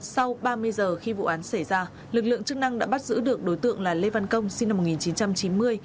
sau ba mươi giờ khi vụ án xảy ra lực lượng chức năng đã bắt giữ được đối tượng là lê văn công sinh năm một nghìn chín trăm chín mươi